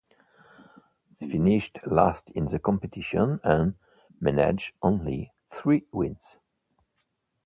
They finished last in the competition, and managed only three wins.